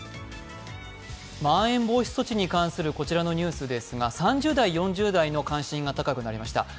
まん延防止措置に関するこちらのニュースですが３０代、４０代の関心が高くなりました